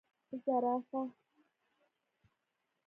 🦒 زرافه